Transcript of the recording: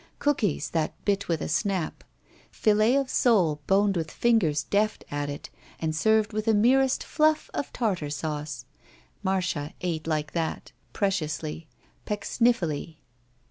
Cookies that bit with a snap. Filet of sole boned with fingers deft at it and served with a merest fluflE of tartar sauce. Marda ate like that. Preciously. PecksniflBly.